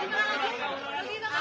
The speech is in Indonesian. mau lancar ibu